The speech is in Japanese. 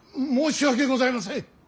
申し訳ございません。